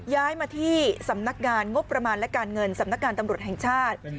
ย้ายมาที่สำนักงานงบประมาณและการเงินสำนักงานตำรวจแห่งชาติ